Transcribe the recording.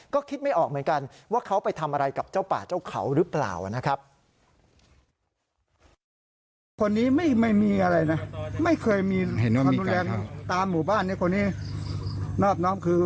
ก็คิดไม่ออกเหมือนกันว่าเขาไปทำอะไรกับเจ้าป่าเจ้าเขาหรือเปล่านะครับ